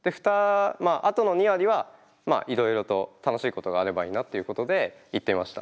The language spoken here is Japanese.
あとの２割はいろいろと楽しいことがあればいいなっていうことで行っていました。